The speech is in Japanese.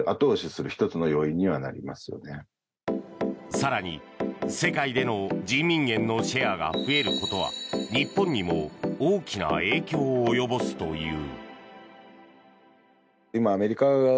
更に、世界での人民元のシェアが増えることは日本にも大きな影響を及ぼすという。